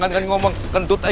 jangan ngomong kentut aja